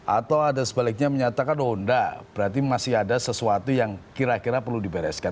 atau ada sebaliknya menyatakan oh enggak berarti masih ada sesuatu yang kira kira perlu dibereskan